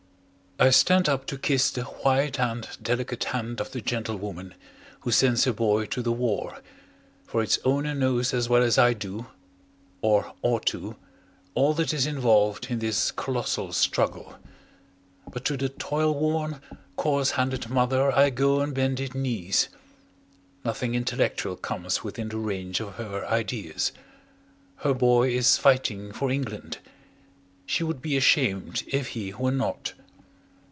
I stand up to kiss the white and delicate hand of the gentlewoman who sends her boy to the war, for its owner knows as well as I do (or ought to) all that is involved in this colossal struggle. But to the toil worn, coarse handed mother I go on bended knees; nothing intellectual comes within the range of her ideas. Her boy is fighting for England. She would be ashamed if he were not.